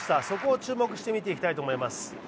そこを注目して見ていきたいと思います。